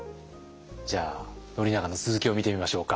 じゃあ宣長の続きを見てみましょうか。